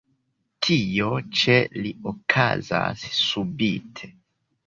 Tio ĉe li okazas subite.